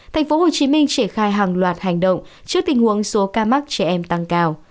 tp hcm triển khai hàng loạt hành động trước tình huống số ca mắc trẻ em tăng cao